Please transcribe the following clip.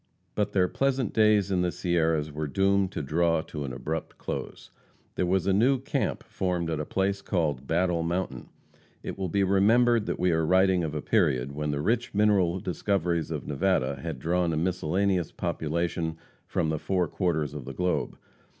But their pleasant days in the Sierras were doomed to draw to an abrupt close. There was a new camp formed at a place called Battle Mountain. It will be remembered that we are writing of a period when the rich mineral discoveries of Nevada had drawn a miscellaneous population from the four quarters of the globe.